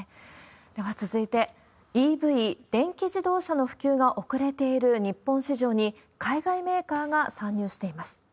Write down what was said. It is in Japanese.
では続いて、ＥＶ・電気自動車の普及が遅れている、日本市場に、海外メーカーが参入しています。